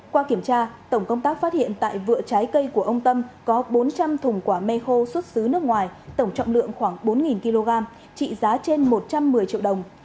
qua kiểm tra tổng công tác phát hiện tại vựa trái cây của ông tâm có bốn trăm linh thùng quả mê khô xuất xứ nước ngoài tổng trọng lượng khoảng bốn kg trị giá trên một trăm một mươi triệu đồng